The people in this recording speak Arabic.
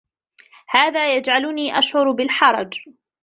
هذا يجعلني أشعر بالحرج.